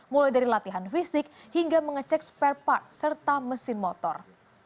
mulai dari latihan fisik hingga mengecek spare part serta mesin motor